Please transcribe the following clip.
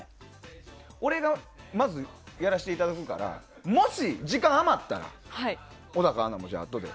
俺がまずやらせていただくからもし時間余ったら小高アナもあとで。